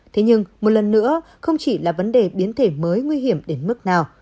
thế nhưng một lần nữa không chỉ là vấn đề biến thể mới nguy hiểm đến mức nào